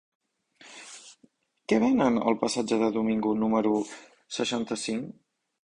Què venen al passatge de Domingo número seixanta-cinc?